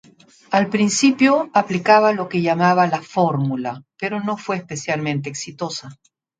Al principio, aplicaba lo que llamaba "La Fórmula" pero no fue especialmente exitosa.